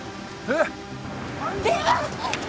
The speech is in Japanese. えっ？